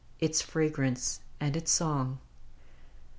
Its fragrance and its song